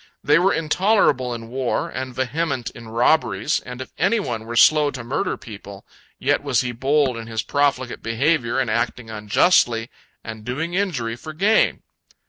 They were intolerable in war, and vehement in robberies, and if any one were slow to murder people, yet was he bold in his profligate behavior in acting unjustly and doing injury for gain.